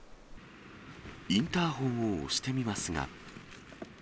インターホンを押してみますが。